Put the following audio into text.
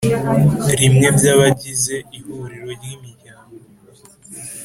rimwe by abagize Ihuriro ry Imiryango